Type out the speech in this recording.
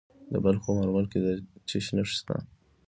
د بلخ په مارمل کې د څه شي نښې دي؟